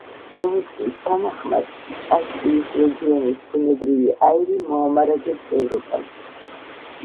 პროექტის თანახმად კასპიის რეგიონის ბუნებრივი აირი მოამარაგებს ევროპას.